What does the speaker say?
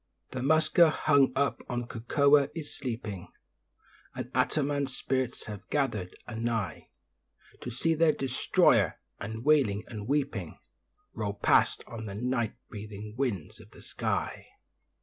The 'muska' hung up on the cocoa is sleeping, And Attanam's spirits have gathered a nigh To see their destroyer; and, wailing and weeping, Roll past on the night breathing winds of the sky.